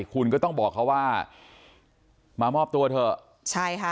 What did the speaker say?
คุณก็ต้องบอกเขาว่ามามอบตัวเถอะใช่ค่ะ